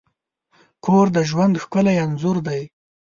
کور د ژوند ښکلی انځور دی.